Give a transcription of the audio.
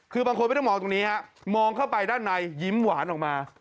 คือบางคนไม่ต้องมองตรงนี้ฮะมองเข้าไปด้านในยิ้มหวานออกมา